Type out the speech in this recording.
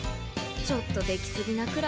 ちょっと出来過ぎなくらい。